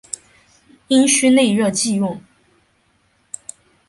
阴虚内热忌用。